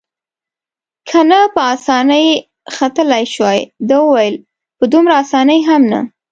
که نه په اسانۍ ختلای شوای، ده وویل: په دومره اسانۍ هم نه.